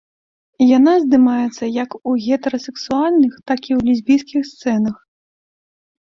Яна здымаецца як у гетэрасексуальных, так і ў лесбійскіх сцэнах.